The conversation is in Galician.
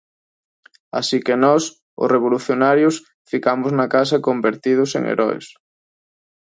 Así que nós, os revolucionarios, ficamos na casa convertidos en heroes.